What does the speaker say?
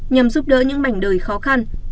nhằm giúp đỡ những mảnh đời khó khăn